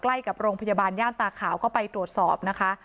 ใกล้กับโรงพยาบาลย่านตาขาวก็ไปตรวจสอบนะคะ